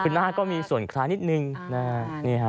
คือหน้าก็มีส่วนคล้ายนิดนึงนะฮะ